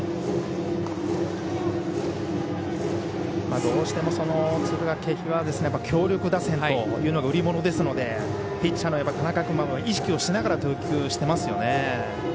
どうしても敦賀気比は強力打線というのが売り物ですのでピッチャーの田中君は意識をしながら投球してますよね。